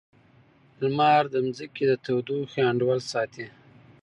لمر د ځمکې د تودوخې انډول ساتي.